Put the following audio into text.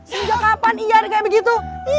sehingga kapan iya kaya begitu